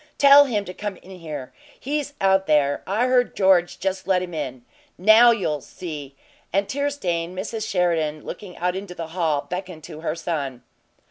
"Tell him to come in here! He's out there. I heard George just let him in. Now you'll SEE!" And tear stained Mrs. Sheridan, looking out into the hall, beckoned to her son.